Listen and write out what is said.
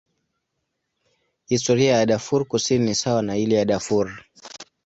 Historia ya Darfur Kusini ni sawa na ile ya Darfur.